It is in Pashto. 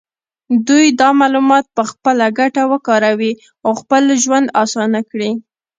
دوی دا معلومات په خپله ګټه وکاروي او خپل ژوند اسانه کړي.